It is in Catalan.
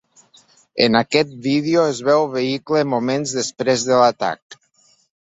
En aquest vídeo es veu el vehicle moments després de l’atac.